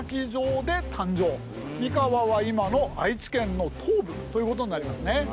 三河は今の愛知県の東部ということになりますね。